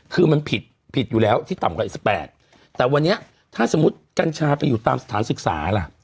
คือมันผิดผิดอยู่แล้วที่ต่ำกว่าอีกสิบแปดแต่วันนี้ถ้าสมมุติกัญชาไปอยู่ตามสถานศึกษาล่ะ